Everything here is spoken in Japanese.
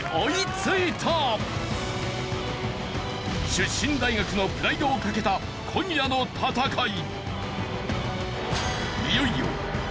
出身大学のプライドをかけた今夜の戦い。